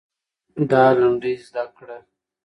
دا لنډۍ زده کړه.